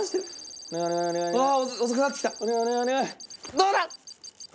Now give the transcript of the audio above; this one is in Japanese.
どうだ！